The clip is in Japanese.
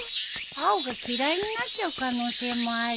青が嫌いになっちゃう可能性もあるよ。